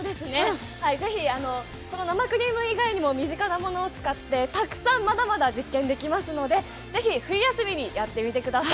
ぜひ生クリーム以外にも身近なものを使ってたくさん実験ができますのでぜひ冬休みにやってみてください。